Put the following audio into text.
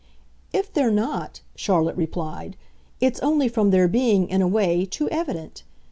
"If they're not," Charlotte replied, "it's only from their being, in a way, too evident.